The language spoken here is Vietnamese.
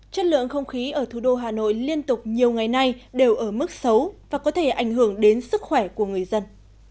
chất lượng không khí ở thủ đô hà nội liên tục nhiều ngày nay đều ở mức xấu và có thể ảnh hưởng đến sức khỏe của người dân